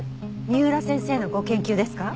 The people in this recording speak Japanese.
三浦先生のご研究ですか？